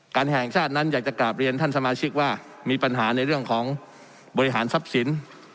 แห่งชาตินั้นอยากจะกราบเรียนท่านสมาชิกว่ามีปัญหาในเรื่องของบริหารทรัพย์สิน